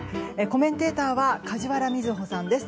コメンテーターは梶原みずほさんです。